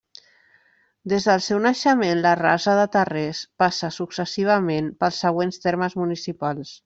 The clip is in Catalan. Des del seu naixement, la Rasa de Terrers passa successivament pels següents termes municipals.